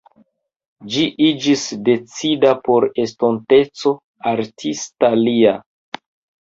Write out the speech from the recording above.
Ĝi iĝis decida por estonteco artista lia.